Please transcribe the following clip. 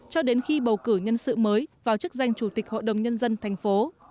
cho đến khi bầu cử nhân sự mới vào chức danh chủ tịch hội đồng nhân dân tp